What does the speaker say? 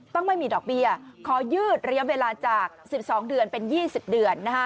ไม่มีดอกเบี้ยขอยืดระยะเวลาจาก๑๒เดือนเป็น๒๐เดือน